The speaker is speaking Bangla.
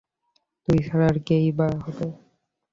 তুই ছাড়া আর কে-ই বা হবে!